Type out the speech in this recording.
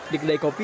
di kedai kopi